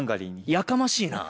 やかましいな。